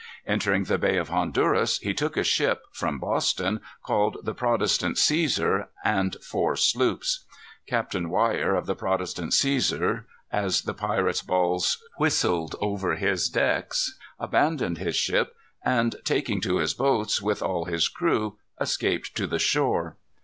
Entering the Bay of Honduras, he took a ship, from Boston, called the Protestant Cæsar, and four sloops. Captain Wyar, of the Protestant Cæsar, as the pirates' balls whistled over his decks, abandoned his ship, and taking to his boats, with all his crew, escaped to the shore.